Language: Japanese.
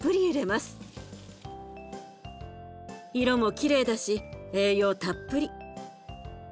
色もきれいだし栄養たっぷり。